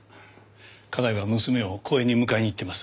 家内は娘を公園に迎えに行っています。